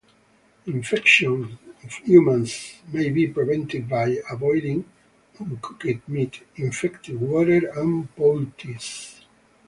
Infection of humans may be prevented by avoiding uncooked meat, infected water, and poultices.